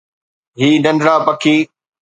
هي ننڍڙا پکي